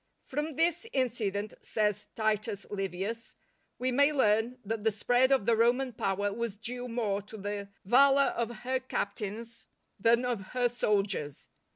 From this incident, says Titus Livius, we may learn that the spread of the Roman power was due more to the valour of her captains than of her soldiers.